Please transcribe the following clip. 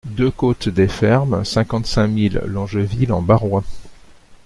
deux côte des Fermes, cinquante-cinq mille Longeville-en-Barrois